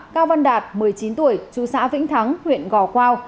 cao văn đạt một mươi chín tuổi chú xã vĩnh thắng huyện gò quao